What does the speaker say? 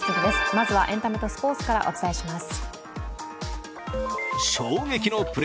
まずはエンタメとスポーツからお伝えします。